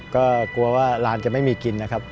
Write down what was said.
ก็กลัวว่าร้านจะไม่มีกินนะครับ